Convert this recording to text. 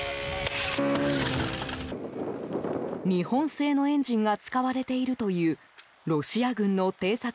日本製のエンジンが使われているというロシア軍の偵察